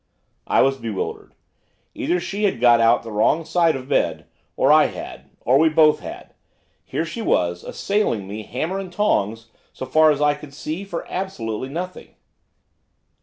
I was bewildered. Either she had got out of the wrong side of bed, or I had, or we both had. Here she was, assailing me, hammer and tongs, so far as I could see, for absolutely nothing.